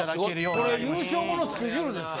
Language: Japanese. これ優勝後のスケジュールですよ。